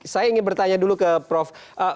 saya ingin bertanya dulu ke prof